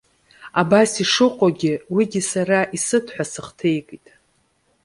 Абас ишыҟоугьы, уигьы сара исыҭ ҳәа сыхҭаикит.